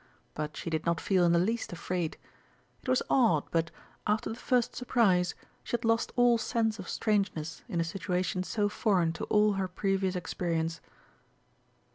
But she did not feel in the least afraid. It was odd, but, after the first surprise, she had lost all sense of strangeness in a situation so foreign to all her previous experience.